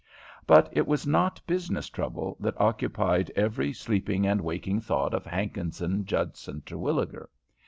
But it was not business troubles that occupied every sleeping and waking thought of Hankinson Judson Terwilliger.